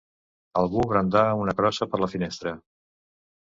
Algú brandà una crossa per la finestra